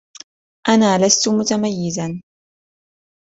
أنا لست متميزا.